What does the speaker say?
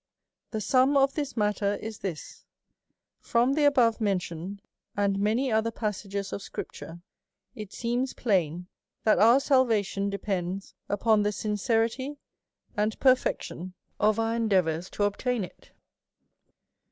The sum of this matter, is this: From the above mentioned, and many other passages of scripture, it ^^,,^ L* seems plain, that our salvation depends upon the sin ^1,, (^ cerity and perfection of our endeavours to obtain it.